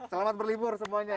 selamat berlibur semuanya